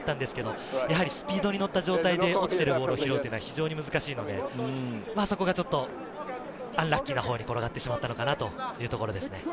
スピードに乗った状態で落ちているボールを拾うのは難しいので、そこがちょっとアンラッキーなほうに転がってしまったのかなというところです。